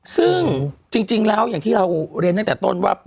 ซึ่งจริงแล้วอย่างที่เราเรียนตั้งแต่ต้นว่า